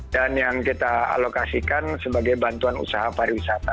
dan yang kita alokasikan sebagai bantuan usaha pariwisata